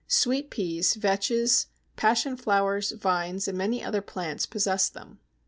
Sweet Peas, Vetches, Passion flowers, Vines, and many other plants possess them.